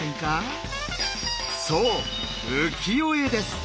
そう「浮世絵」です。